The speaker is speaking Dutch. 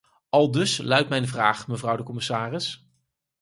Aldus luidt mijn vraag, mevrouw de commissaris.